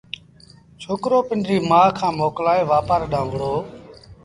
ڇوڪرو پنڊريٚ مآ کآݩ موڪلآئي وآپآر ڏآݩهݩ وهُڙو